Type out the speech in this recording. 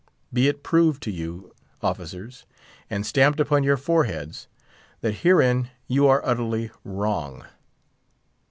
Be it proved to you, officers, and stamped upon your foreheads, that herein you are utterly wrong.